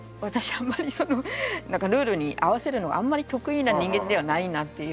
あんまりそのなんかルールに合わせるのがあんまり得意な人間ではないなっていう。